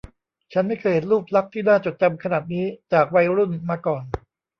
ฉันไม่เคยเห็นรูปลักษณ์ที่น่าจดจำขนาดนี้จากวัยรุ่นมาก่อน